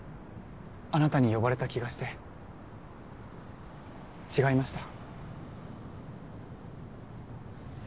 あなたに呼ばれた気がして違いました？